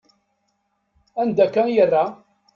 Anda akka i yerra?